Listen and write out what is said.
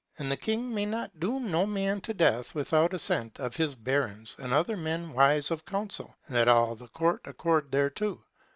And the king may not doom no man to death without assent of his barons and other men wise of counsel, and that all the court accord thereto.